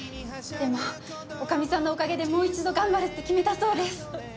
でも女将さんのおかげでもう一度頑張るって決めたそうです。